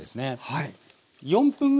はい。